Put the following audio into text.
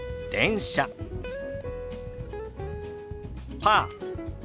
「パー」。